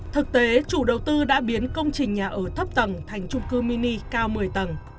thực tế chủ đầu tư đã biến công trình nhà ở thấp tầng thành trung cư mini cao một mươi tầng